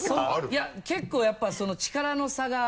いや結構やっぱ力の差が。